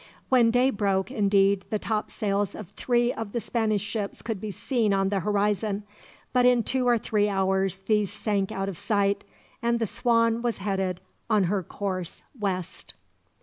When day broke, indeed, the topsails of three of the Spanish ships could be seen on the horizon; but in two or three hours these sank out of sight, and the Swan was headed on her course west.